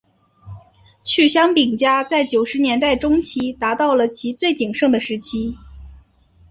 趣香饼家在九十年代中期达到了其最鼎盛的时期。